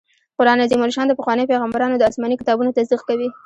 قرآن عظيم الشان د پخوانيو پيغمبرانو د اسماني کتابونو تصديق کوي